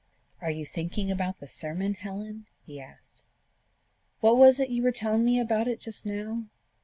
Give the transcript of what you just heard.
"Are you thinking about the sermon, Helen?" he asked. "What was it you were telling me about it just now?